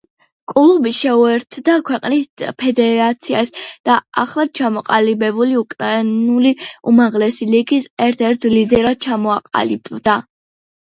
კლუბი შეუერთდა ქვეყნის ფედერაციას და ახლად ჩამოყალიბებული უკრაინული უმაღლესი ლიგის ერთ-ერთ ლიდერად ჩამოყალიბდა.